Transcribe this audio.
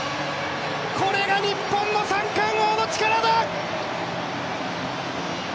これが日本の三冠王の力だ！